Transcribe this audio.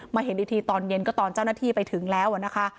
เห็นอีกทีตอนเย็นก็ตอนเจ้าหน้าที่ไปถึงแล้วนะคะ